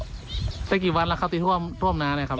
คือสิ่งแบบนี้ต้องบอกว่าเขาเอาชีวิตครอบครัวเขามาแลกเลยนะคะ